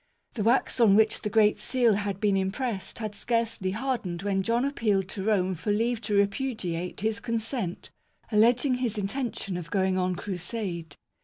The wax on which the great seal had been impressed had scarcely hardened when John appealed to Rome for leave to repudiate his consent, alleging his intention of going on Crusade.